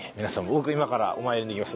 僕今からお参りに行きます。